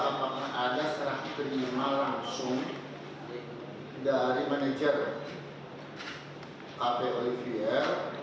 apakah ada serah penima langsung dari manajer kt oliver